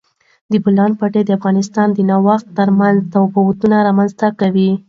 د بولان پټي د افغانستان د ناحیو ترمنځ تفاوتونه رامنځ ته کوي.